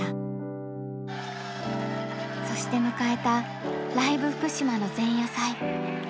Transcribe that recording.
そして迎えた「ＬＩＶＥ福島」の前夜祭。